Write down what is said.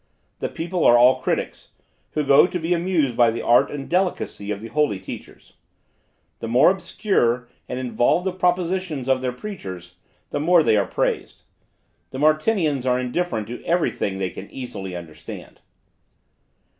The people are all critics, who go to be amused by the art and delicacy of the holy teachers. The more obscure and involved the propositions of their preachers, the more are they praised. The Martinians are indifferent to every thing they can easily understand.